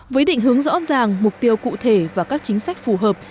với định hướng rõ ràng mục tiêu cụ thể và các chính sách phù hợp